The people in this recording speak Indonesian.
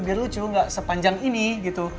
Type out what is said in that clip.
biar lucu gak sepanjang ini gitu